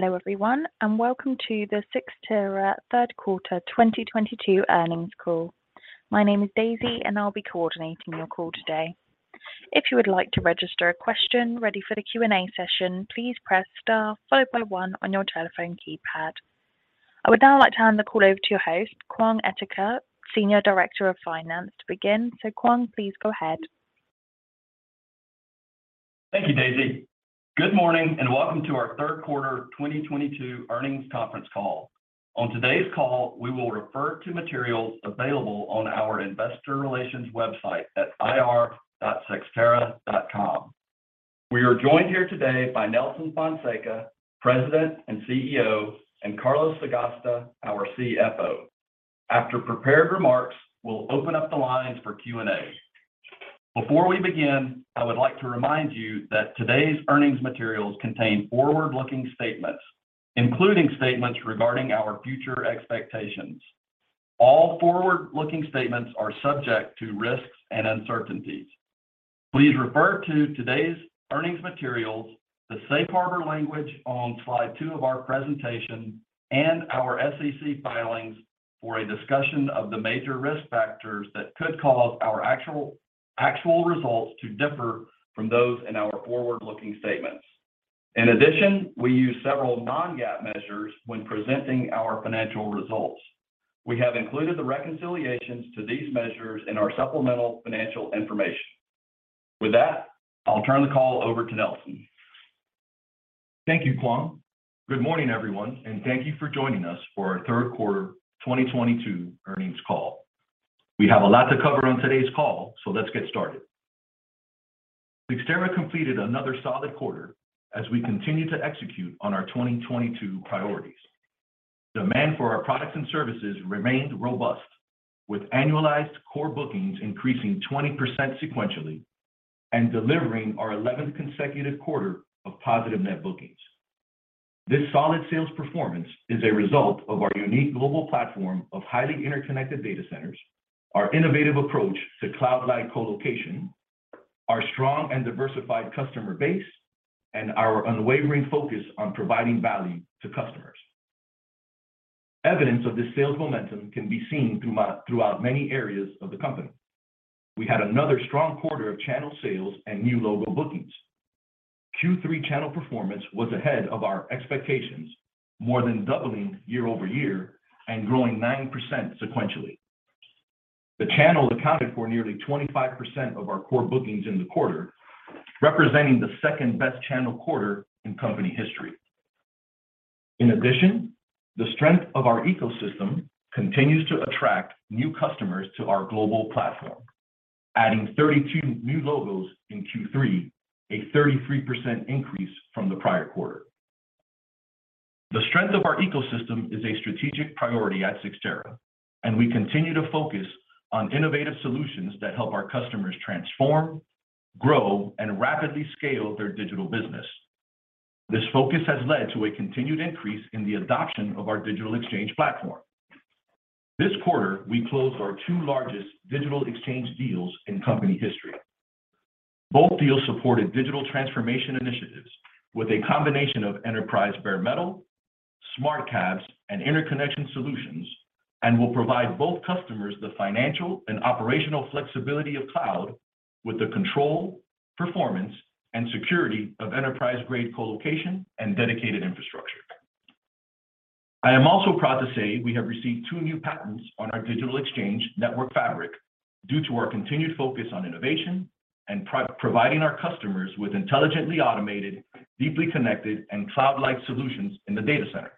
Hello, everyone, and welcome to the Cyxtera Third Quarter 2022 Earnings Call. My name is Daisy, and I'll be coordinating your call today. If you would like to register a question ready for the Q&A session, please press Star followed by one on your telephone keypad. I would now like to hand the call over to your host, Kwang Edeker, Senior Director of Finance, to begin. Kwang, please go ahead. Thank you, Daisy. Good morning, and welcome to our third quarter 2022 earnings conference call. On today's call, we will refer to materials available on our investor relations website at ir.cyxtera.com. We are joined here today by Nelson Fonseca, President and CEO, and Carlos Sagasta, our CFO. After prepared remarks, we'll open up the lines for Q&A. Before we begin, I would like to remind you that today's earnings materials contain forward-looking statements, including statements regarding our future expectations. All forward-looking statements are subject to risks and uncertainties. Please refer to today's earnings materials, the safe harbor language on slide 2 of our presentation, and our SEC filings for a discussion of the major risk factors that could cause our actual results to differ from those in our forward-looking statements. In addition, we use several non-GAAP measures when presenting our financial results. We have included the reconciliations to these measures in our supplemental financial information. With that, I'll turn the call over to Nelson. Thank you, Kwang. Good morning, everyone, and thank you for joining us for our third quarter 2022 earnings call. We have a lot to cover on today's call, so let's get started. Cyxtera completed another solid quarter as we continue to execute on our 2022 priorities. Demand for our products and services remained robust with annualized core bookings increasing 20% sequentially and delivering our 11th consecutive quarter of positive net bookings. This solid sales performance is a result of our unique global platform of highly interconnected data centers, our innovative approach to cloud-like colocation, our strong and diversified customer base, and our unwavering focus on providing value to customers. Evidence of this sales momentum can be seen throughout many areas of the company. We had another strong quarter of channel sales and new logo bookings. Q3 channel performance was ahead of our expectations, more than doubling year-over-year and growing 9% sequentially. The channel accounted for nearly 25% of our core bookings in the quarter, representing the second-best channel quarter in company history. In addition, the strength of our ecosystem continues to attract new customers to our global platform, adding 32 new logos in Q3, a 33% increase from the prior quarter. The strength of our ecosystem is a strategic priority at Cyxtera, and we continue to focus on innovative solutions that help our customers transform, grow, and rapidly scale their digital business. This focus has led to a continued increase in the adoption of our Digital Exchange platform. This quarter, we closed our two largest Digital Exchange deals in company history. Both deals supported digital transformation initiatives with a combination of Enterprise Bare Metal, SmartCabs, and interconnection solutions, and will provide both customers the financial and operational flexibility of cloud with the control, performance, and security of enterprise-grade colocation and dedicated infrastructure. I am also proud to say we have received two new patents on our Digital Exchange network fabric due to our continued focus on innovation and providing our customers with intelligently automated, deeply connected, and cloud-like solutions in the data center.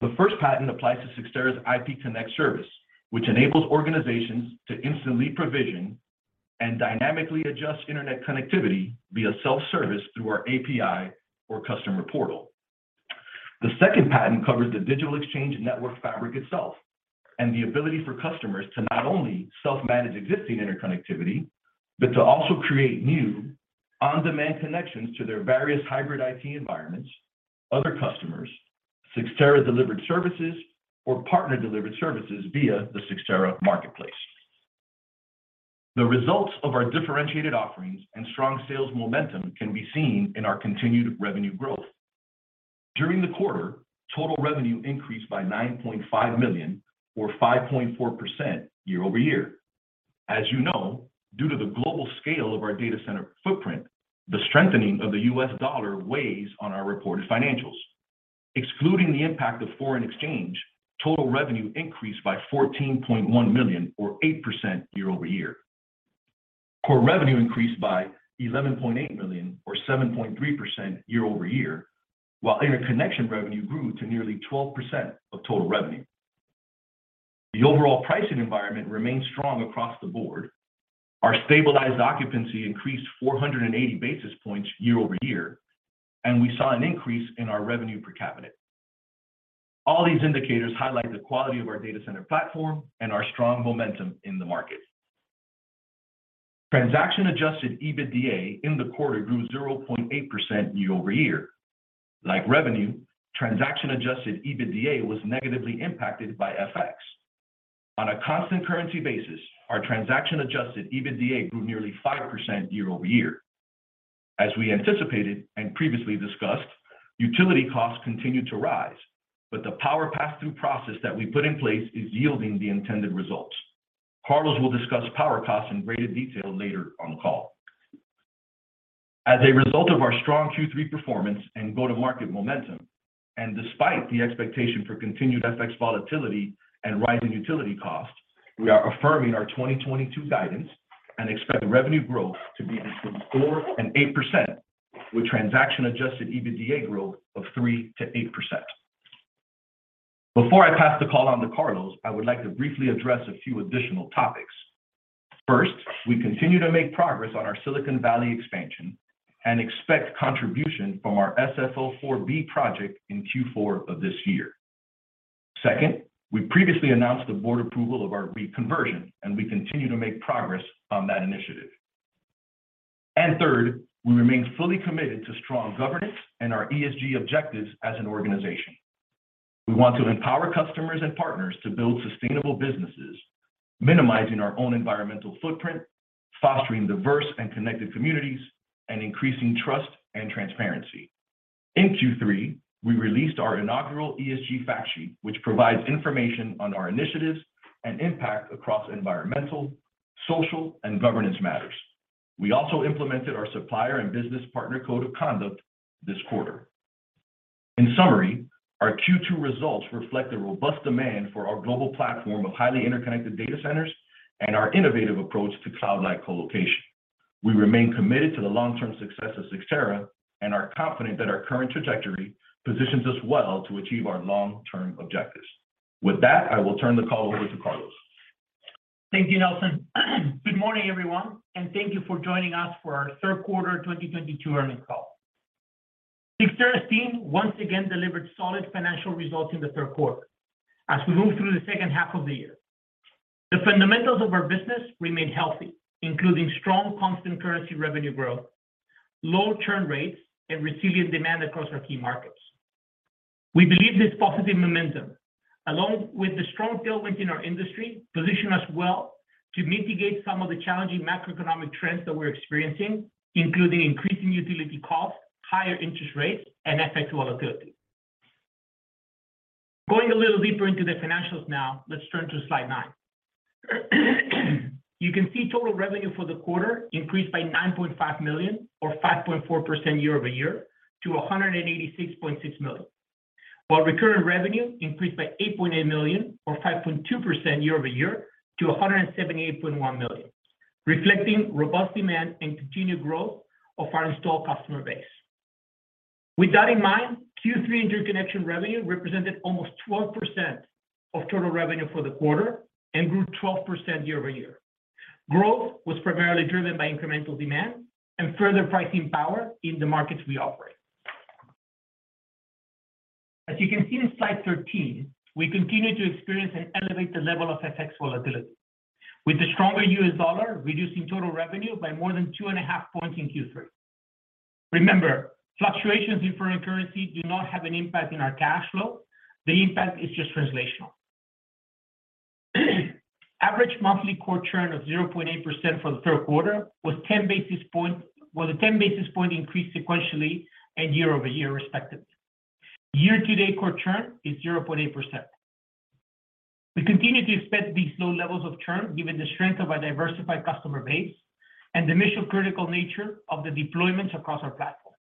The first patent applies to Cyxtera's IP Connect service, which enables organizations to instantly provision and dynamically adjust internet connectivity via self-service through our API or customer portal. The second patent covers the Digital Exchange network fabric itself and the ability for customers to not only self-manage existing interconnectivity, but to also create new on-demand connections to their various hybrid IT environments, other customers, Cyxtera-delivered services or partner-delivered services via the Cyxtera Marketplace. The results of our differentiated offerings and strong sales momentum can be seen in our continued revenue growth. During the quarter, total revenue increased by $9.5 million or 5.4% year-over-year. As you know, due to the global scale of our data center footprint, the strengthening of the U.S. dollar weighs on our reported financials. Excluding the impact of foreign exchange, total revenue increased by $14.1 million or 8% year-over-year. Core revenue increased by $11.8 million or 7.3% year-over-year, while interconnection revenue grew to nearly 12% of total revenue. The overall pricing environment remains strong across the board. Our stabilized occupancy increased 480 basis points year-over-year, and we saw an increase in our revenue per cabinet. All these indicators highlight the quality of our data center platform and our strong momentum in the market. Transaction Adjusted EBITDA in the quarter grew 0.8% year-over-year. Like revenue, Transaction Adjusted EBITDA was negatively impacted by FX. On a constant currency basis, our Transaction Adjusted EBITDA grew nearly 5% year-over-year. As we anticipated and previously discussed, utility costs continued to rise, but the power pass-through process that we put in place is yielding the intended results. Carlos will discuss power costs in greater detail later on the call. As a result of our strong Q3 performance and go-to-market momentum, and despite the expectation for continued FX volatility and rising utility costs, we are affirming our 2022 guidance and expect revenue growth to be between 4% and 8%, with Transaction-Adjusted EBITDA growth of 3%-8%. Before I pass the call on to Carlos, I would like to briefly address a few additional topics. First, we continue to make progress on our Silicon Valley expansion and expect contribution from our SFO4B project in Q4 of this year. Second, we previously announced the board approval of our REIT conversion, and we continue to make progress on that initiative. Third, we remain fully committed to strong governance and our ESG objectives as an organization. We want to empower customers and partners to build sustainable businesses, minimizing our own environmental footprint, fostering diverse and connected communities, and increasing trust and transparency. In Q3, we released our inaugural ESG fact sheet, which provides information on our initiatives and impact across environmental, social, and governance matters. We also implemented our supplier and business partner code of conduct this quarter. In summary, our Q2 results reflect a robust demand for our global platform of highly interconnected data centers and our innovative approach to cloud-like colocation. We remain committed to the long-term success of Cyxtera and are confident that our current trajectory positions us well to achieve our long-term objectives. With that, I will turn the call over to Carlos. Thank you, Nelson. Good morning, everyone, and thank you for joining us for our third quarter 2022 earnings call. Cyxtera's team once again delivered solid financial results in the third quarter as we move through the second half of the year. The fundamentals of our business remain healthy, including strong constant currency revenue growth, low churn rates, and resilient demand across our key markets. We believe this positive momentum, along with the strong tailwind in our industry, position us well to mitigate some of the challenging macroeconomic trends that we're experiencing, including increasing utility costs, higher interest rates, and FX volatility. Going a little deeper into the financials now, let's turn to slide 9. You can see total revenue for the quarter increased by $9.5 million or 5.4% year over year to $186.6 million. While recurring revenue increased by $8.8 million or 5.2% year-over-year to $178.1 million, reflecting robust demand and continued growth of our installed customer base. With that in mind, Q3 interconnection revenue represented almost 12% of total revenue for the quarter and grew 12% year-over-year. Growth was primarily driven by incremental demand and further pricing power in the markets we operate. As you can see in slide 13, we continue to experience an elevated level of FX volatility, with the stronger US dollar reducing total revenue by more than 2.5 points in Q3. Remember, fluctuations in foreign currency do not have an impact in our cash flow. The impact is just translational. Average monthly core churn of 0.8% for the third quarter was a 10 basis points increase sequentially and year-over-year, respectively. Year-to-date core churn is 0.8%. We continue to expect these low levels of churn, given the strength of our diversified customer base and the mission-critical nature of the deployments across our platform.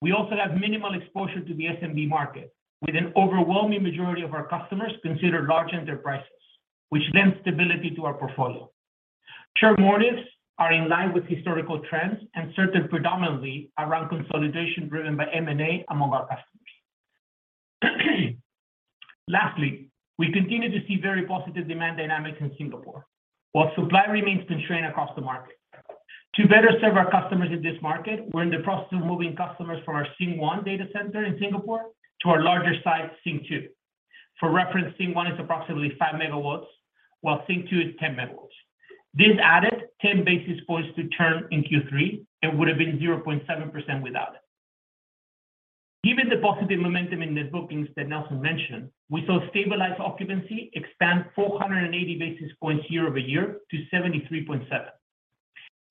We also have minimal exposure to the SMB market, with an overwhelming majority of our customers considered large enterprises, which lends stability to our portfolio. Churn motives are in line with historical trends and centered predominantly around consolidation driven by M&A among our customers. Lastly, we continue to see very positive demand dynamics in Singapore, while supply remains constrained across the market. To better serve our customers in this market, we're in the process of moving customers from our Sing One data center in Singapore to our larger site, Sing Two. For reference, Sing One is approximately 5 megawatts, while Sing Two is 10 megawatts. This added 10 basis points to churn in Q3 and would have been 0.7% without it. Given the positive momentum in the bookings that Nelson mentioned, we saw stabilized occupancy expand 480 basis points year-over-year to 73.7%.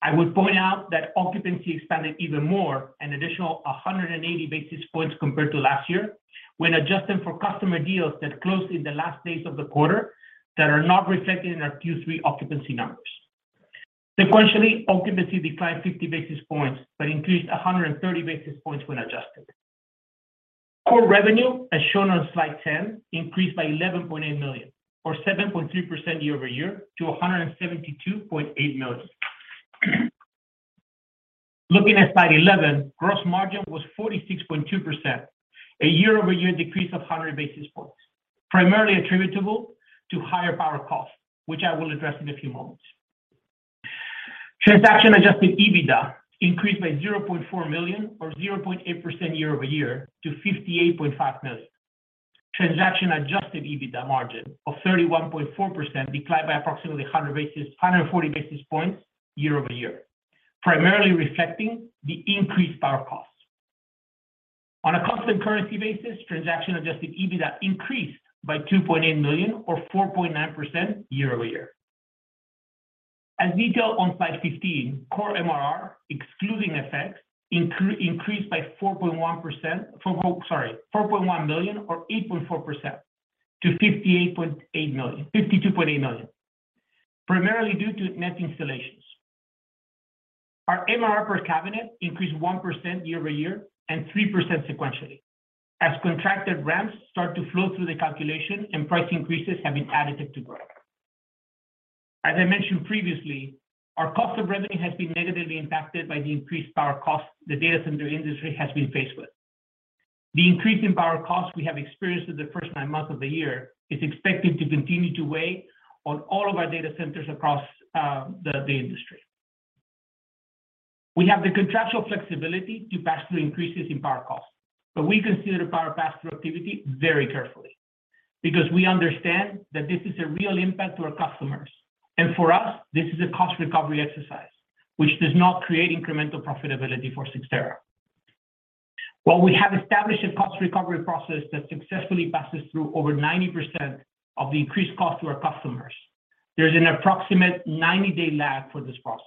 I would point out that occupancy expanded even more, an additional 180 basis points compared to last year, when adjusting for customer deals that closed in the last days of the quarter that are not reflected in our Q3 occupancy numbers. Sequentially, occupancy declined 50 basis points but increased 130 basis points when adjusted. Core revenue, as shown on slide 10, increased by $11.8 million or 7.3% year-over-year to $172.8 million. Looking at slide 11, gross margin was 46.2%, a year-over-year decrease of 100 basis points, primarily attributable to higher power costs, which I will address in a few moments. Transaction Adjusted EBITDA increased by $0.4 million or 0.8% year-over-year to $58.5 million. Transaction Adjusted EBITDA margin of 31.4% declined by approximately 140 basis points year-over-year, primarily reflecting the increased power costs. On a constant currency basis, Transaction Adjusted EBITDA increased by $2.8 million or 4.9% year-over-year. As detailed on slide 15, core MRR, excluding effects, increased by $4.1 million or 8.4% from $52.8 million to $58.8 million, primarily due to net installations. Our MRR per cabinet increased 1% year-over-year and 3% sequentially as contracted ramps start to flow through the calculation and price increases have been additive to growth. As I mentioned previously, our cost of revenue has been negatively impacted by the increased power costs the data center industry has been faced with. The increase in power costs we have experienced in the first nine months of the year is expected to continue to weigh on all of our data centers across the industry. We have the contractual flexibility to pass through increases in power costs, but we consider the power pass-through activity very carefully because we understand that this is a real impact to our customers. For us, this is a cost recovery exercise, which does not create incremental profitability for Cyxtera. While we have established a cost recovery process that successfully passes through over 90% of the increased cost to our customers, there's an approximate 90-day lag for this process.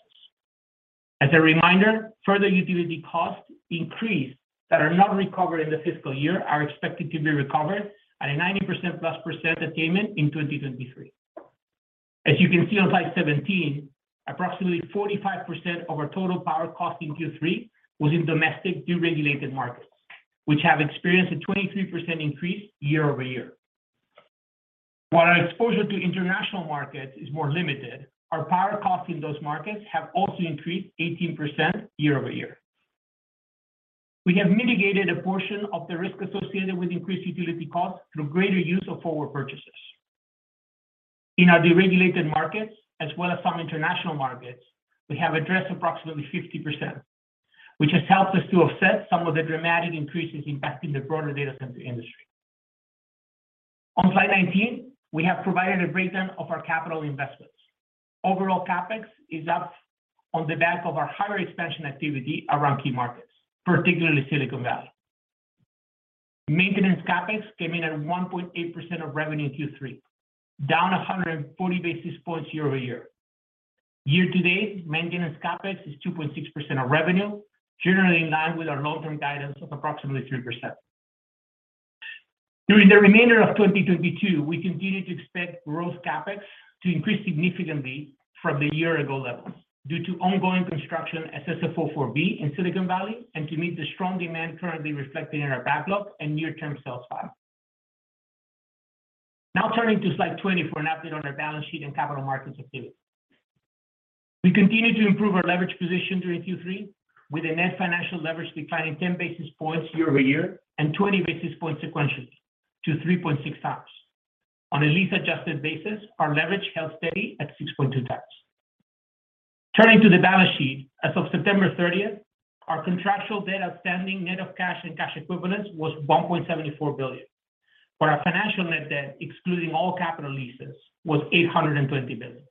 As a reminder, further utility cost increase that are not recovered in the fiscal year are expected to be recovered at a 90% plus % attainment in 2023. As you can see on slide 17, approximately 45% of our total power cost in Q3 was in domestic deregulated markets, which have experienced a 23% increase year-over-year. While our exposure to international markets is more limited, our power costs in those markets have also increased 18% year-over-year. We have mitigated a portion of the risk associated with increased utility costs through greater use of forward purchases. In our deregulated markets, as well as some international markets, we have addressed approximately 50%, which has helped us to offset some of the dramatic increases impacting the broader data center industry. On slide 19, we have provided a breakdown of our capital investments. Overall CapEx is up on the back of our higher expansion activity around key markets, particularly Silicon Valley. Maintenance CapEx came in at 1.8% of revenue in Q3, down 140 basis points year-over-year. Year to date, maintenance CapEx is 2.6% of revenue, generally in line with our long-term guidance of approximately 3%. During the remainder of 2022, we continue to expect growth CapEx to increase significantly from the year ago levels due to ongoing construction at SFO4B in Silicon Valley and to meet the strong demand currently reflected in our backlog and near-term sales. Now turning to slide 20 for an update on our balance sheet and capital markets activity. We continue to improve our leverage position during Q3 with a net financial leverage declining 10 basis points year over year and 20 basis points sequentially to 3.6 times. On a lease adjusted basis, our leverage held steady at 6.2 times. Turning to the balance sheet, as of September thirtieth, our contractual debt outstanding net of cash and cash equivalents was $1.74 billion, where our financial net debt, excluding all capital leases, was $820 million.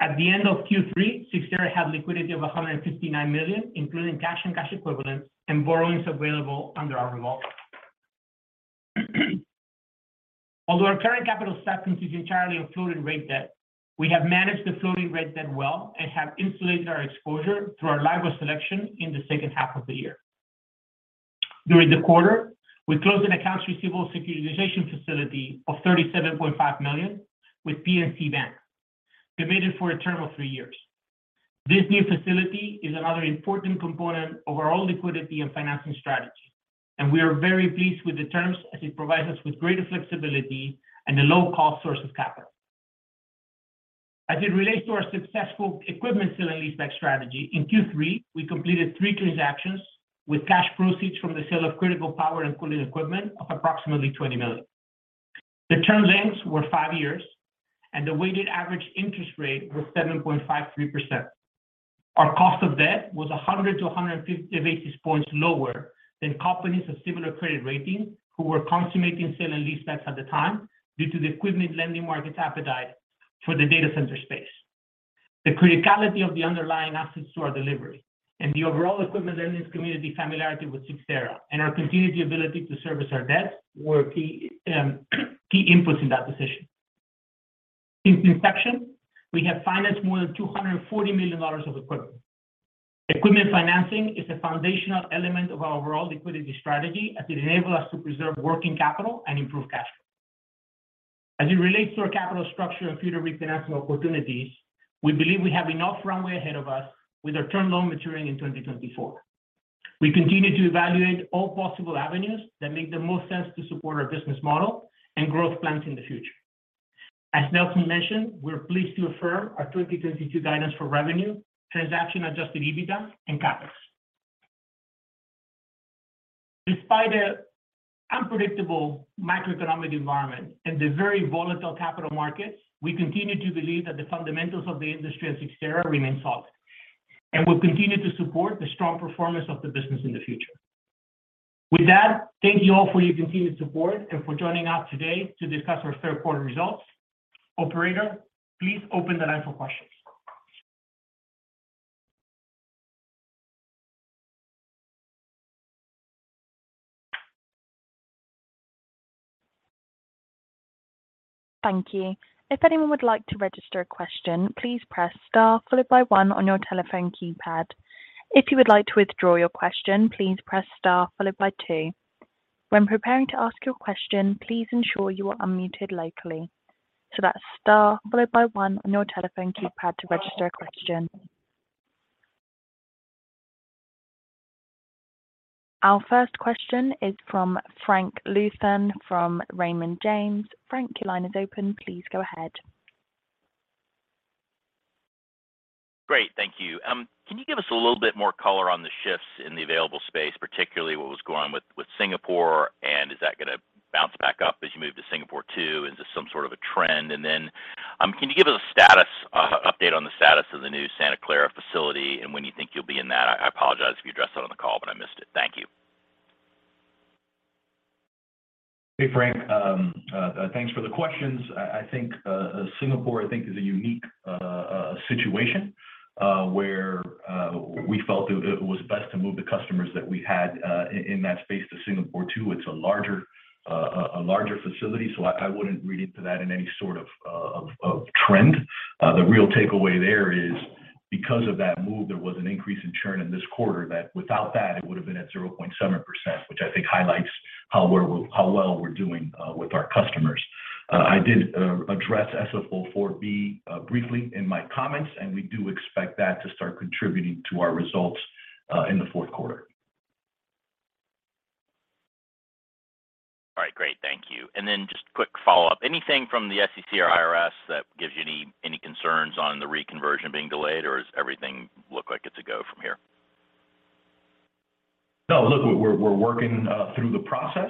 At the end of Q3, Cyxtera had liquidity of $159 million, including cash and cash equivalents and borrowings available under our revolving. Although our current capital stack consists entirely of floating rate debt, we have managed the floating rate debt well and have insulated our exposure through our LIBOR selection in the second half of the year. During the quarter, we closed an accounts receivable securitization facility of $37.5 million with PNC Bank, committed for a term of three years. This new facility is another important component of our overall liquidity and financing strategy, and we are very pleased with the terms as it provides us with greater flexibility and a low cost source of capital. As it relates to our successful equipment sale and leaseback strategy, in Q3, we completed 3 transactions with cash proceeds from the sale of critical power and cooling equipment of approximately $20 million. The term lengths were 5 years and the weighted average interest rate was 7.53%. Our cost of debt was 100-150 basis points lower than companies of similar credit ratings who were consummating sale and leasebacks at the time due to the equipment lending market's appetite for the data center space. The criticality of the underlying assets to our delivery and the overall equipment lending community familiarity with Cyxtera and our continued ability to service our debt were key inputs in that decision. Since inception, we have financed more than $240 million of equipment. Equipment financing is a foundational element of our overall liquidity strategy as it enable us to preserve working capital and improve cash flow. As it relates to our capital structure and future refinance opportunities, we believe we have enough runway ahead of us with our term loan maturing in 2024. We continue to evaluate all possible avenues that make the most sense to support our business model and growth plans in the future. As Nelson mentioned, we're pleased to affirm our 2022 guidance for revenue, Transaction Adjusted EBITDA, and CapEx. Despite an unpredictable macroeconomic environment and the very volatile capital markets, we continue to believe that the fundamentals of the industry and Cyxtera remain solid and will continue to support the strong performance of the business in the future. With that, thank you all for your continued support and for joining us today to discuss our third quarter results. Operator, please open the line for questions. Thank you. If anyone would like to register a question, please press Star followed by one on your telephone keypad. If you would like to withdraw your question, please press Star followed by two. When preparing to ask your question, please ensure you are unmuted locally. That's Star followed by one on your telephone keypad to register a question. Our first question is from Frank Louthan from Raymond James. Frank, your line is open. Please go ahead. Great. Thank you. Can you give us a little bit more color on the shifts in the available space, particularly what was going on with Singapore, and is that gonna bounce back up as you move to Singapore two? Is this some sort of a trend? Then, can you give us a status update on the status of the new Santa Clara facility and when you think you'll be in that? I apologize if you addressed that on the call, but I missed it. Thank you. Hey, Frank. Thanks for the questions. I think Singapore is a unique situation where we felt it was best to move the customers that we had in that space to Singapore 2. It's a larger facility, so I wouldn't read into that in any sort of trend. The real takeaway there is because of that move, there was an increase in churn in this quarter that without that, it would have been at 0.7%, which I think highlights how well we're doing with our customers. I did address SFO4B briefly in my comments, and we do expect that to start contributing to our results in the fourth quarter. All right, great. Thank you. Just quick follow-up. Anything from the SEC or IRS that gives you any concerns on the reconversion being delayed, or is everything look like it's a go from here? No. Look, we're working through the process.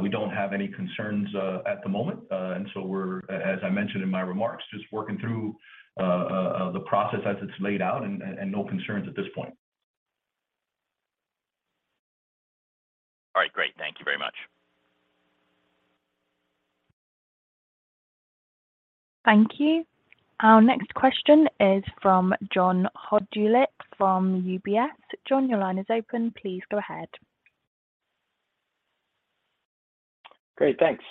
We don't have any concerns at the moment. We're, as I mentioned in my remarks, just working through the process as it's laid out, and no concerns at this point. All right, great. Thank you very much. Thank you. Our next question is from John Hodulik from UBS. John, your line is open. Please go ahead. Great, thanks.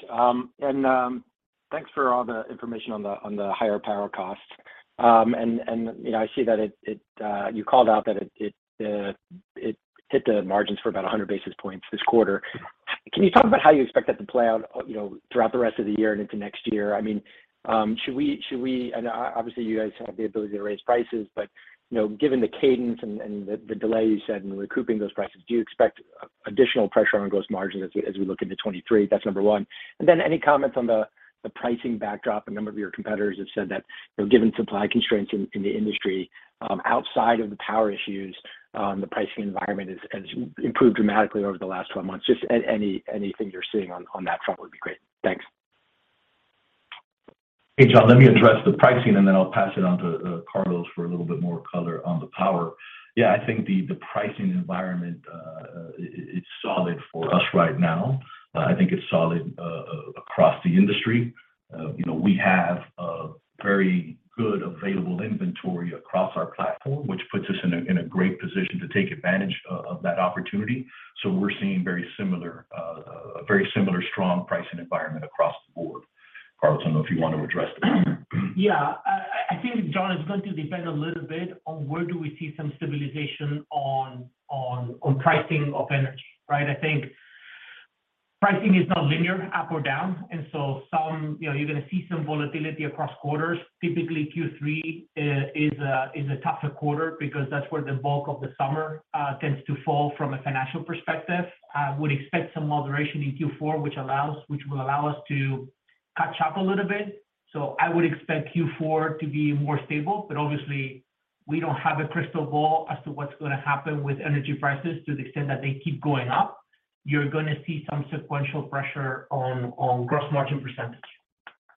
Thanks for all the information on the higher power cost. You know, I see that you called out that it hit the margins for about 100 basis points this quarter. Can you talk about how you expect that to play out, you know, throughout the rest of the year and into next year? I mean, should we... and obviously, you guys have the ability to raise prices, but, you know, given the cadence and the delay you said in recouping those prices, do you expect additional pressure on gross margins as we look into 2023? That's number one. Any comments on the pricing backdrop. A number of your competitors have said that, you know, given supply constraints in the industry, outside of the power issues, the pricing environment has improved dramatically over the last 12 months. Just anything you're seeing on that front would be great. Thanks. Hey, John. Let me address the pricing, and then I'll pass it on to Carlos for a little bit more color on the power. Yeah, I think the pricing environment is solid for us right now. I think it's solid across the industry. You know, we have a very good available inventory across our platform, which puts us in a great position to take advantage of that opportunity. We're seeing very similar strong pricing environment across the board. Carlos, I don't know if you want to address the power. Yeah. I think, John, it's going to depend a little bit on where we see some stabilization on pricing of energy, right? I think pricing is not linear up or down, and so some, you know, you're gonna see some volatility across quarters. Typically, Q3 is a tougher quarter because that's where the bulk of the summer tends to fall from a financial perspective. I would expect some moderation in Q4, which will allow us to catch up a little bit. I would expect Q4 to be more stable, but obviously, we don't have a crystal ball as to what's gonna happen with energy prices to the extent that they keep going up. You're gonna see some sequential pressure on gross margin percentage.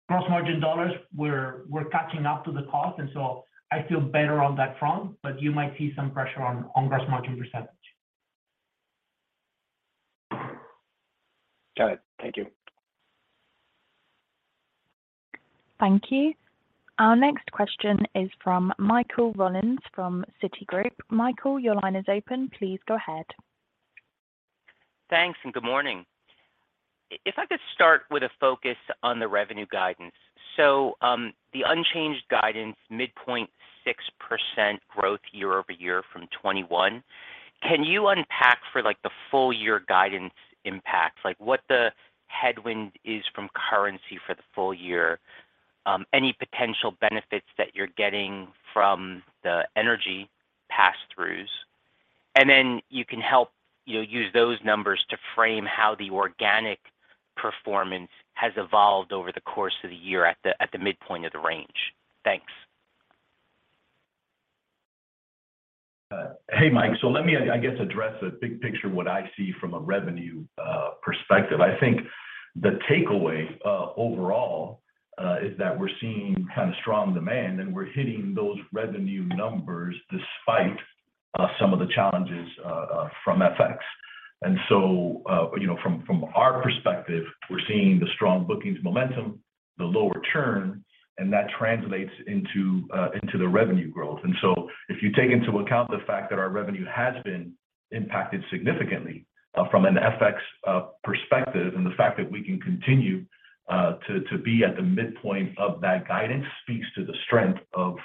Gross margin dollars, we're catching up to the cost, and so I feel better on that front, but you might see some pressure on gross margin percentage. Got it. Thank you. Thank you. Our next question is from Michael Rollins from Citigroup. Michael, your line is open. Please go ahead. Thanks. Good morning. If I could start with a focus on the revenue guidance. The unchanged guidance, midpoint 6% growth year-over-year from 2021, can you unpack for like the full year guidance impact? Like, what the headwind is from currency for the full year, any potential benefits that you're getting from the energy pass-throughs, and then you can help, you know, use those numbers to frame how the organic performance has evolved over the course of the year at the midpoint of the range. Thanks. Hey, Mike. Let me, I guess, address the big picture what I see from a revenue perspective. I think the takeaway overall is that we're seeing kind of strong demand, and we're hitting those revenue numbers despite some of the challenges from FX. You know, from our perspective, we're seeing the strong bookings momentum, the lower churn, and that translates into the revenue growth. If you take into account the fact that our revenue has been impacted significantly from an FX perspective, and the fact that we can continue to be at the midpoint of that guidance speaks to the strength of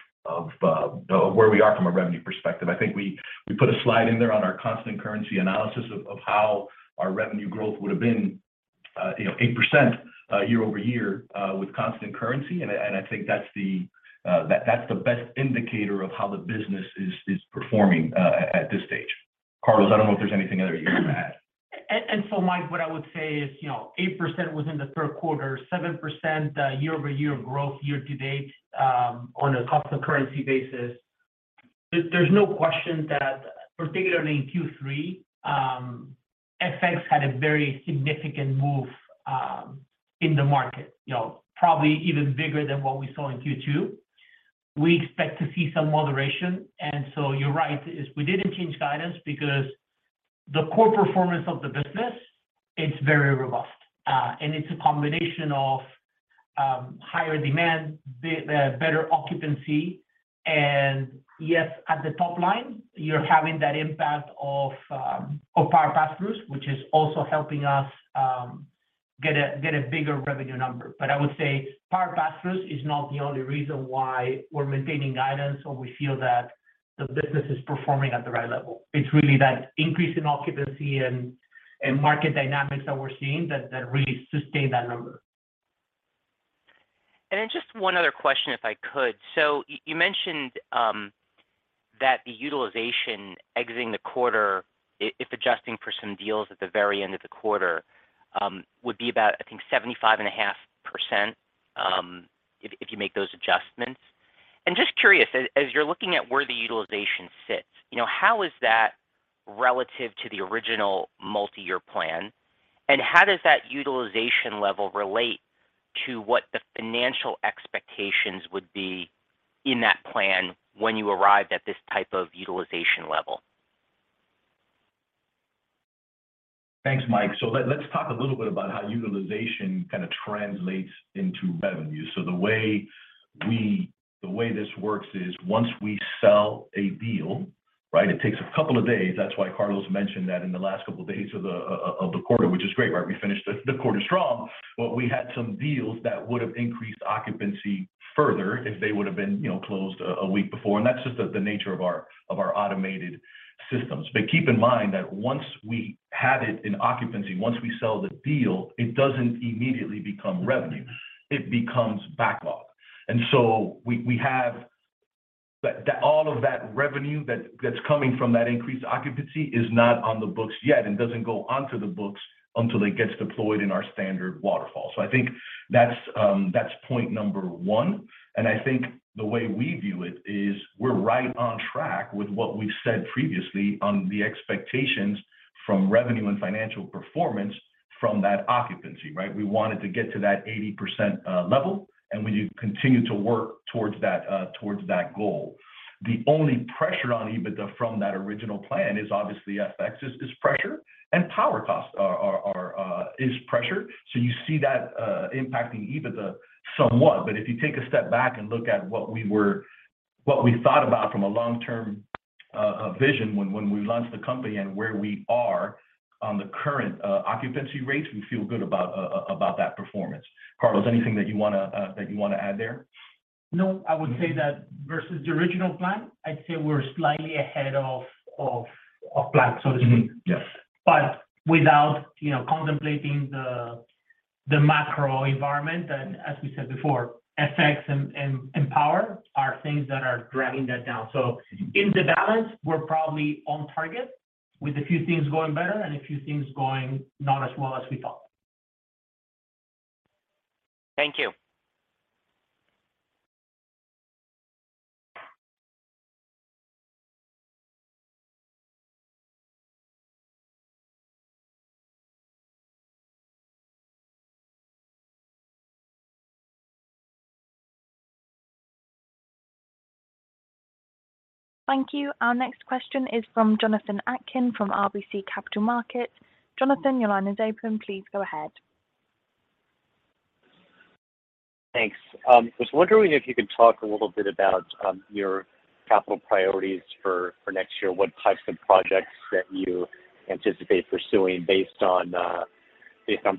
where we are from a revenue perspective. I think we put a slide in there on our constant currency analysis of how our revenue growth would have been, you know, 8%, year-over-year, with constant currency. I think that's the best indicator of how the business is performing at this stage. Carlos, I don't know if there's anything other you would add. Mike, what I would say is, you know, 8% within the third quarter, 7% year-over-year growth year to date, on a constant currency basis. There's no question that particularly in Q3, FX had a very significant move in the market. You know, probably even bigger than what we saw in Q2. We expect to see some moderation, and so you're right, as we didn't change guidance because the core performance of the business, it's very robust. And it's a combination of higher demand, better occupancy, and yes, at the top line, you're having that impact of power pass-throughs, which is also helping us get a bigger revenue number. I would say power pass-throughs is not the only reason why we're maintaining guidance, or we feel that the business is performing at the right level. It's really that increase in occupancy and market dynamics that we're seeing that really sustain that number. Just one other question, if I could. You mentioned that the utilization exiting the quarter if adjusting for some deals at the very end of the quarter would be about, I think 75.5%, if you make those adjustments. Just curious, as you're looking at where the utilization sits, you know, how is that relative to the original multi-year plan? How does that utilization level relate to what the financial expectations would be in that plan when you arrived at this type of utilization level? Thanks, Mike. Let's talk a little bit about how utilization kind of translates into revenue. The way this works is once we sell a deal, right, it takes a couple of days. That's why Carlos mentioned that in the last couple of days of the quarter, which is great, right? We finished the quarter strong, but we had some deals that would have increased occupancy further if they would have been, you know, closed a week before. That's just the nature of our automated systems. Keep in mind that once we have it in occupancy, once we sell the deal, it doesn't immediately become revenue. It becomes backlog. We have... That all of that revenue that's coming from that increased occupancy is not on the books yet and doesn't go onto the books until it gets deployed in our standard waterfall. I think that's point number one. I think the way we view it is we're right on track with what we've said previously on the expectations from revenue and financial performance from that occupancy, right? We wanted to get to that 80% level, and we do continue to work towards that goal. The only pressure on EBITDA from that original plan is obviously FX is pressure and power costs are pressure. You see that impacting EBITDA somewhat. If you take a step back and look at what we thought about from a long-term vision when we launched the company and where we are on the current occupancy rates, we feel good about that performance. Carlos, anything that you wanna add there? No, I would say that versus the original plan, I'd say we're slightly ahead of plan, so to speak. Yes. Without, you know, contemplating the macro environment, and as we said before, FX and power are things that are dragging that down. In the balance, we're probably on target with a few things going better and a few things going not as well as we thought. Thank you. Thank you. Our next question is from Jonathan Atkin from RBC Capital Markets. Jonathan, your line is open. Please go ahead. Thanks. I was wondering if you could talk a little bit about your capital priorities for next year. What types of projects that you anticipate pursuing based on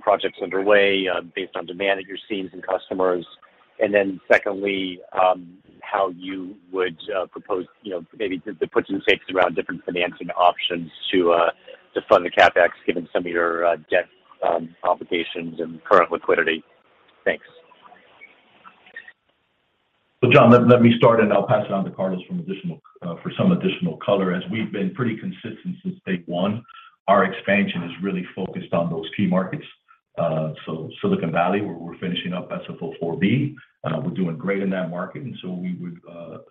projects underway, based on demand that you're seeing from customers? Secondly, how you would propose, you know, maybe the puts and takes around different financing options to fund the CapEx, given some of your debt obligations and current liquidity. Thanks. John, let me start, and I'll pass it on to Carlos for some additional color. As we've been pretty consistent since day one, our expansion is really focused on those key markets. Silicon Valley, where we're finishing up SFO4B, we're doing great in that market, and we would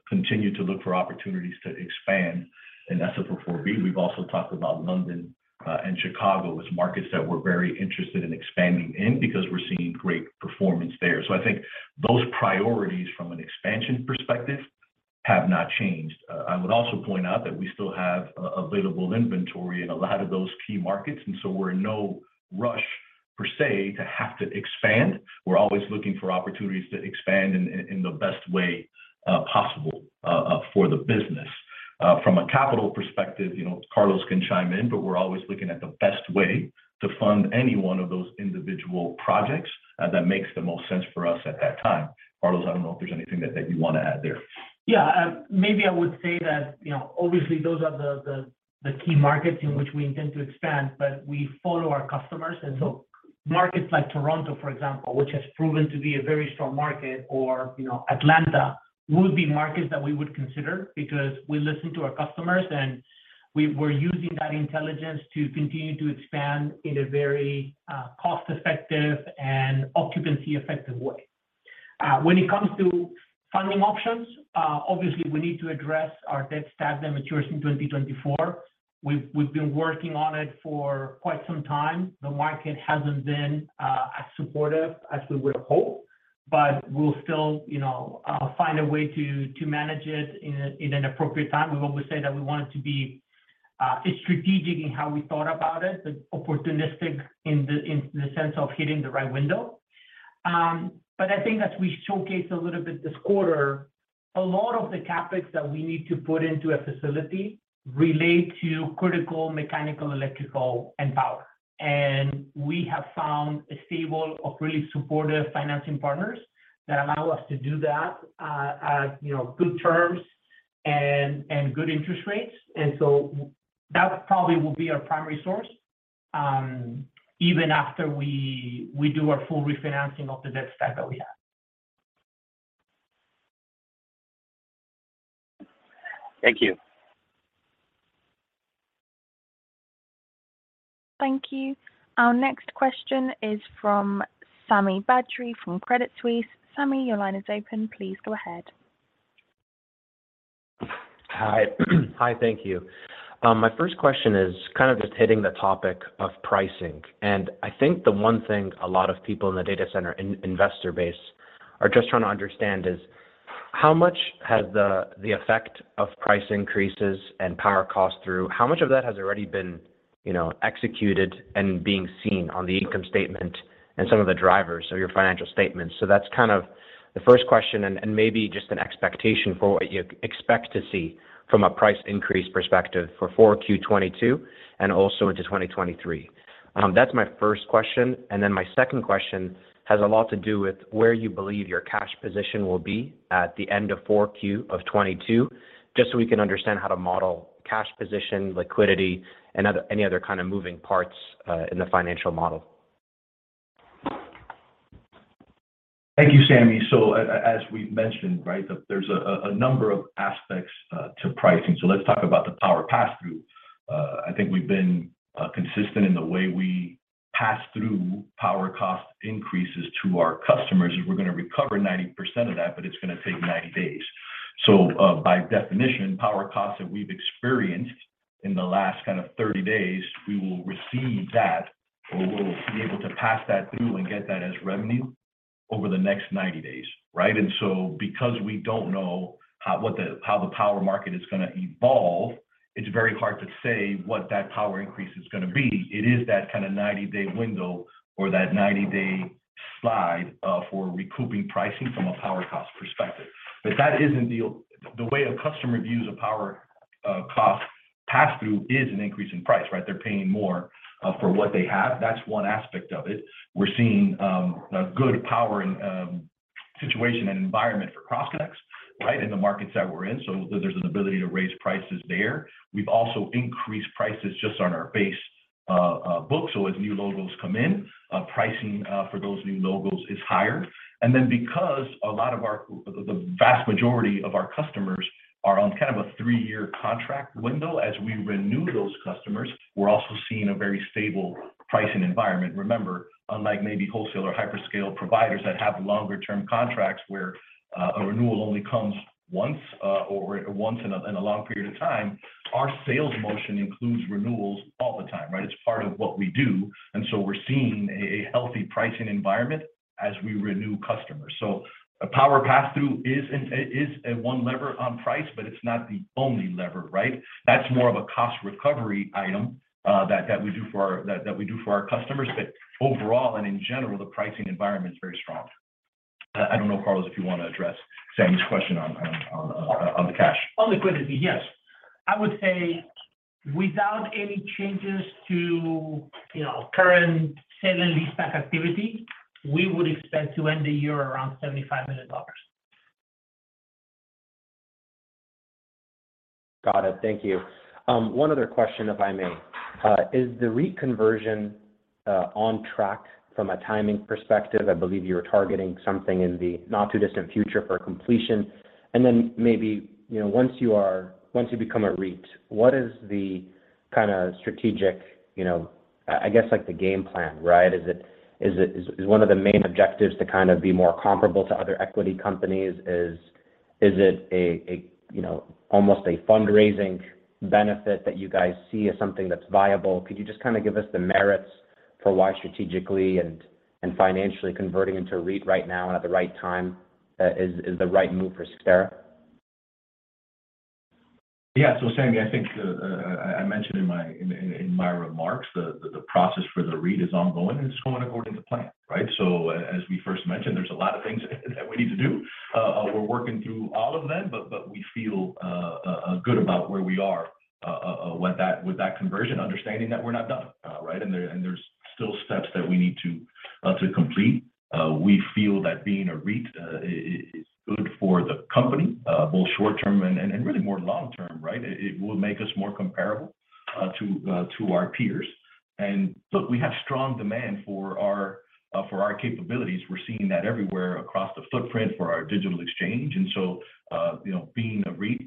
continue to look for opportunities to expand in SFO4B. We've also talked about London, and Chicago are markets that we're very interested in expanding in because we're seeing great performance there. I think those priorities from an expansion perspective have not changed. I would also point out that we still have available inventory in a lot of those key markets, and we're in no rush per se to have to expand. We're always looking for opportunities to expand in the best way possible for the business. From a capital perspective, you know, Carlos can chime in, but we're always looking at the best way to fund any one of those individual projects that makes the most sense for us at that time. Carlos, I don't know if there's anything that you wanna add there. Yeah. Maybe I would say that, you know, obviously those are the key markets in which we intend to expand, but we follow our customers. Markets like Toronto, for example, which has proven to be a very strong market, or, you know, Atlanta would be markets that we would consider because we listen to our customers, and we're using that intelligence to continue to expand in a very cost-effective and occupancy-effective way. When it comes to funding options, obviously we need to address our debt stack that matures in 2024. We've been working on it for quite some time. The market hasn't been as supportive as we would hope, but we'll still, you know, find a way to manage it in an appropriate time. We've always said that we want it to be strategic in how we thought about it, but opportunistic in the sense of hitting the right window. I think as we showcase a little bit this quarter, a lot of the CapEx that we need to put into a facility relate to critical mechanical, electrical, and power. We have found a stable of really supportive financing partners that allow us to do that, you know, at good terms and good interest rates. That probably will be our primary source, even after we do our full refinancing of the debt stack that we have. Thank you. Thank you. Our next question is from Sami Badri from Credit Suisse. Sami, your line is open. Please go ahead. Hi. Hi. Thank you. My first question is kind of just hitting the topic of pricing. I think the one thing a lot of people in the data center investor base are just trying to understand is how much has the effect of price increases and power costs through? How much of that has already been, you know, executed and being seen on the income statement and some of the drivers of your financial statements? That's kind of the first question, and maybe just an expectation for what you expect to see from a price increase perspective for 4Q 2022 and also into 2023. That's my first question. My second question has a lot to do with where you believe your cash position will be at the end of Q4 of 2022, just so we can understand how to model cash position, liquidity, and other, any other kind of moving parts in the financial model. Thank you, Sami. As we've mentioned, right, there's a number of aspects to pricing. Let's talk about the power pass-through. I think we've been consistent in the way we pass through power cost increases to our customers. We're gonna recover 90% of that, but it's gonna take 90 days. By definition, power costs that we've experienced in the last kind of 30 days, we will receive that, or we'll be able to pass that through and get that as revenue over the next 90 days, right? Because we don't know how the power market is gonna evolve, it's very hard to say what that power increase is gonna be. It is that kind of 90-day window or that 90-day slide for recouping pricing from a power cost perspective. The way a customer views a power cost pass-through is an increase in price, right? They're paying more for what they have. That's one aspect of it. We're seeing a good power and situation and environment for cross connects, right, in the markets that we're in, so there's an ability to raise prices there. We've also increased prices just on our base book. As new logos come in, pricing for those new logos is higher. Because the vast majority of our customers are on kind of a three-year contract window, as we renew those customers, we're also seeing a very stable pricing environment. Remember, unlike maybe wholesale or hyperscale providers that have longer term contracts where a renewal only comes once or once in a long period of time, our sales motion includes renewals all the time, right? It's part of what we do, and so we're seeing a healthy pricing environment as we renew customers. A power pass-through is one lever on price, but it's not the only lever, right? That's more of a cost recovery item that we do for our customers. Overall and in general, the pricing environment is very strong. I don't know, Carlos, if you wanna address Sami's question on the cash. On liquidity, yes. I would say without any changes to, you know, current sale and leaseback activity, we would expect to end the year around $75 million. Got it. Thank you. One other question, if I may. Is the REIT conversion on track from a timing perspective? I believe you were targeting something in the not too distant future for completion. Maybe, you know, once you become a REIT, what is the kind of strategic, you know, I guess like the game plan, right? Is it one of the main objectives to kind of be more comparable to other equity companies? Is it a, you know, almost a fundraising benefit that you guys see as something that's viable? Could you just kind of give us the merits for why strategically and financially converting into REIT right now and at the right time is the right move for Cyxtera? Yeah, Sami, I think I mentioned in my remarks the process for the REIT is ongoing, and it's going according to plan, right? As we first mentioned, there's a lot of things that we need to do. We're working through all of them, but we feel good about where we are with that conversion, understanding that we're not done, right? There's still steps that we need to complete. We feel that being a REIT is good for the company both short-term and really more long-term, right? It will make us more comparable to our peers. Look, we have strong demand for our capabilities. We're seeing that everywhere across the footprint for our Digital Exchange. Being a REIT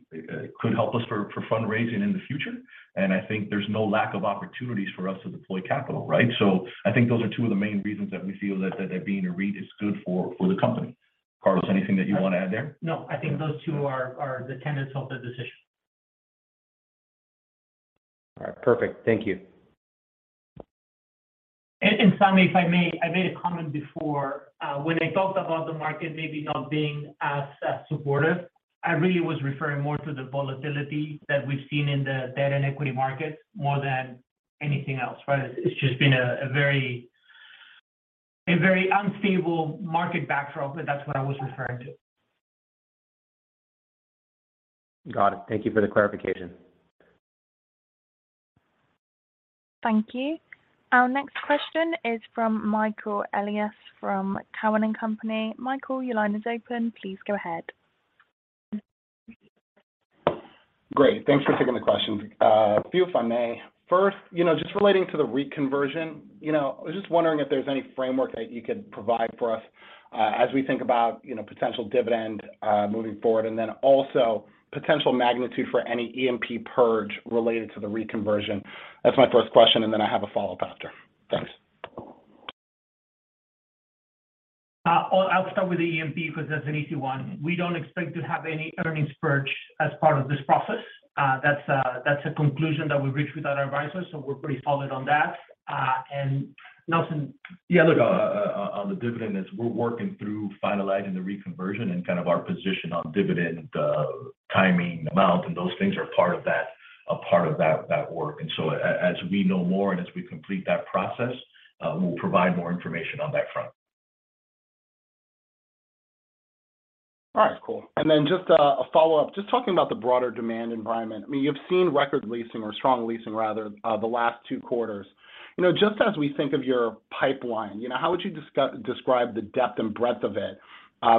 could help us for fundraising in the future. I think there's no lack of opportunities for us to deploy capital, right? I think those are two of the main reasons that we feel that being a REIT is good for the company. Carlos, anything that you want to add there? No, I think those two are the tenets of the decision. All right. Perfect. Thank you. Sami, if I may, I made a comment before. When I talked about the market maybe not being as supportive, I really was referring more to the volatility that we've seen in the debt and equity markets more than anything else, right? It's just been a very unstable market backdrop, but that's what I was referring to. Got it. Thank you for the clarification. Thank you. Our next question is from Michael Elias from Cowen and Company. Michael, your line is open. Please go ahead. Great. Thanks for taking the questions. A few if I may. First, you know, just relating to the REIT conversion, you know, I was just wondering if there's any framework that you could provide for us, as we think about, you know, potential dividend, moving forward, and then also potential magnitude for any E&P purge related to the REIT conversion. That's my first question, and then I have a follow-up after. Thanks. Well, I'll start with the E&P because that's an easy one. We don't expect to have any earnings purge as part of this process. That's a conclusion that we reached with our advisors, so we're pretty solid on that. Nelson? Yeah. Look, on the dividend, as we're working through finalizing the REIT conversion and kind of our position on dividend, timing, amount, and those things are part of that work. As we know more and as we complete that process, we'll provide more information on that front. All right, cool. Then just a follow-up, just talking about the broader demand environment. I mean, you've seen record leasing or strong leasing rather, the last two quarters. You know, just as we think of your pipeline, you know, how would you describe the depth and breadth of it,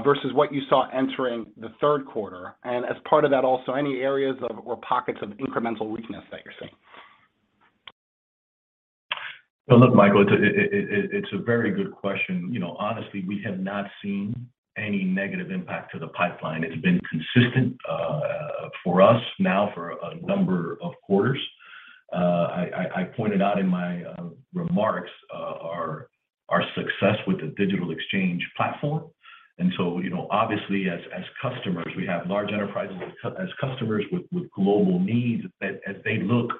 versus what you saw entering the third quarter? As part of that also, any areas or pockets of incremental weakness that you're seeing? Well, look, Michael, it's a very good question. You know, honestly, we have not seen any negative impact to the pipeline. It's been consistent for us now for a number of quarters. I pointed out in my remarks our success with the Digital Exchange platform. You know, obviously as customers, we have large enterprises as customers with global needs that as they look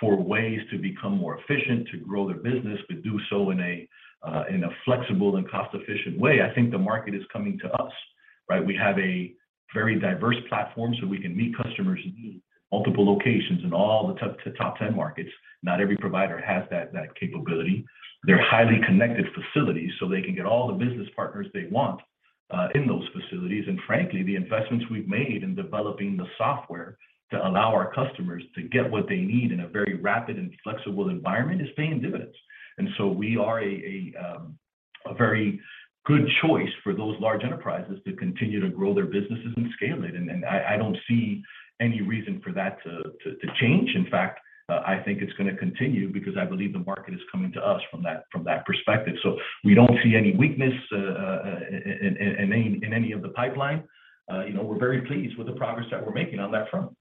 for ways to become more efficient, to grow their business, to do so in a flexible and cost-efficient way, I think the market is coming to us, right? We have a very diverse platform, so we can meet customers' needs, multiple locations in all the top 10 markets. Not every provider has that capability. They're highly connected facilities, so they can get all the business partners they want in those facilities. Frankly, the investments we've made in developing the software to allow our customers to get what they need in a very rapid and flexible environment is paying dividends. We are a very good choice for those large enterprises to continue to grow their businesses and scale it. I don't see any reason for that to change. In fact, I think it's gonna continue because I believe the market is coming to us from that perspective. We don't see any weakness in any of the pipeline. You know, we're very pleased with the progress that we're making on that front.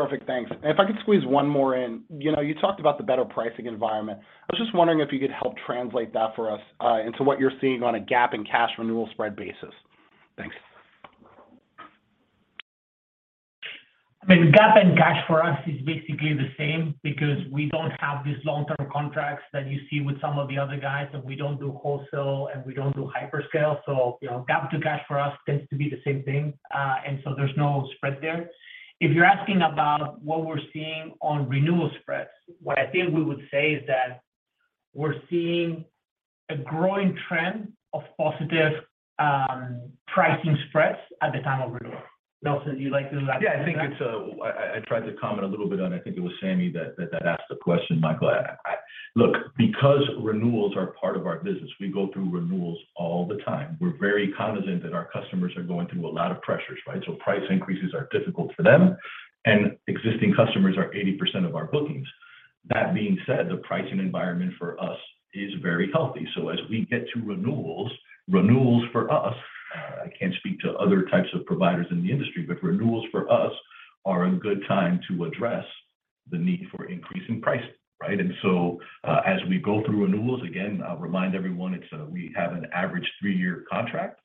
Perfect. Thanks. If I could squeeze one more in. You know, you talked about the better pricing environment. I was just wondering if you could help translate that for us into what you're seeing on a GAAP and cash renewal spread basis. Thanks. I mean, GAAP and cash for us is basically the same because we don't have these long-term contracts that you see with some of the other guys, and we don't do wholesale, and we don't do hyperscale. You know, GAAP to cash for us tends to be the same thing. There's no spread there. If you're asking about what we're seeing on renewal spreads, what I think we would say is that we're seeing a growing trend of positive pricing spreads at the time of renewal. Nelson, would you like to elaborate on that? Yeah. I think it's. I tried to comment a little bit on, I think it was Sami that asked the question, Michael. Look, because renewals are part of our business, we go through renewals all the time. We're very cognizant that our customers are going through a lot of pressures, right? Price increases are difficult for them, and existing customers are 80% of our bookings. That being said, the pricing environment for us is very healthy. As we get to renewals for us. I can't speak to other types of providers in the industry, but renewals for us are a good time to address the need for increasing pricing, right? As we go through renewals, again, I'll remind everyone it's, we have an average three-year contract.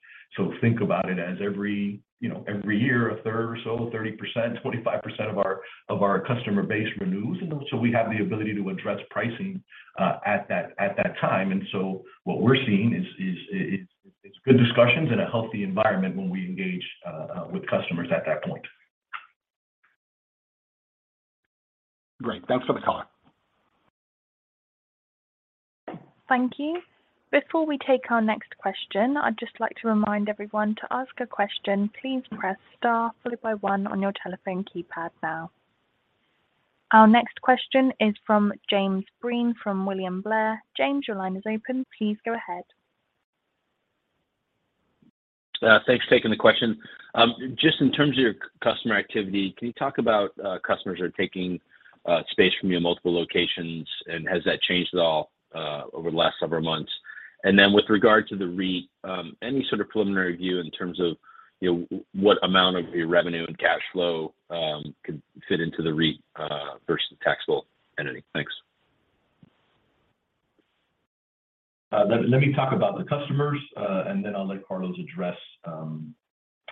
Think about it as every year, a third or so, 30%, 25% of our customer base renews. We have the ability to address pricing at that time. What we're seeing is it's good discussions and a healthy environment when we engage with customers at that point. Great. Thanks for the color. Thank you. Before we take our next question, I'd just like to remind everyone to ask a question, please press star followed by one on your telephone keypad now. Our next question is from Jim Breen from William Blair. James, your line is open. Please go ahead. Thanks for taking the question. Just in terms of your customer activity, can you talk about customers that are taking space from your multiple locations, and has that changed at all over the last several months? Then with regard to the REIT, any sort of preliminary view in terms of, you know, what amount of your revenue and cash flow could fit into the REIT versus taxable entity? Thanks. Let me talk about the customers, and then I'll let Carlos address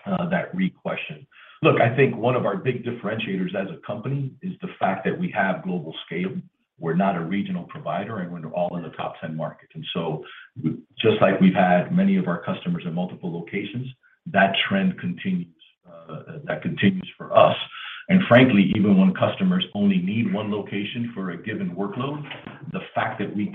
that REIT question. Look, I think one of our big differentiators as a company is the fact that we have global scale. We're not a regional provider, and we're all in the top ten markets. Just like we've had many of our customers in multiple locations, that trend continues. That continues for us. Frankly, even when customers only need one location for a given workload, the fact that we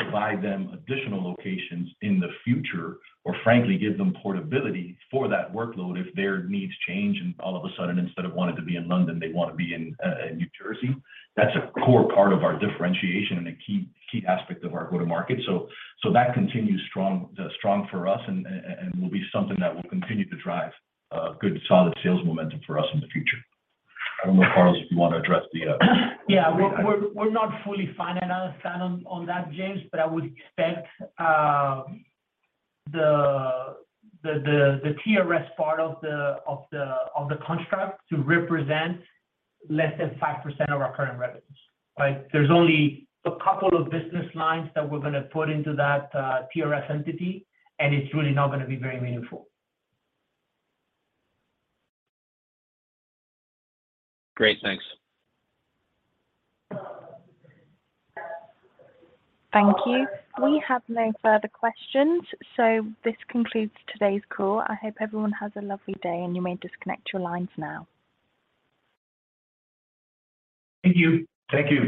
can provide them additional locations in the future or frankly give them portability for that workload if their needs change and all of a sudden, instead of wanting to be in London, they want to be in New Jersey, that's a core part of our differentiation and a key aspect of our go-to-market. that continues strong for us and will be something that will continue to drive good, solid sales momentum for us in the future. I don't know, Carlos, if you want to address the Yeah. We're not fully final on that, James, but I would expect the TRS part of the construct to represent less than 5% of our current revenues. Right? There's only a couple of business lines that we're gonna put into that TRS entity, and it's really not gonna be very meaningful. Great. Thanks. Thank you. We have no further questions, so this concludes today's call. I hope everyone has a lovely day, and you may disconnect your lines now. Thank you. Thank you.